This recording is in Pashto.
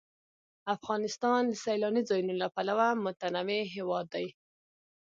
افغانستان د سیلاني ځایونو له پلوه متنوع هېواد دی.